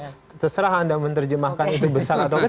supaya kemudian terserah anda menerjemahkan itu besar atau tidak